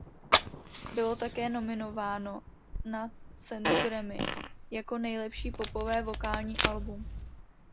Bylo také nominováno na cenu Grammy jako nejlepší popové vokální album.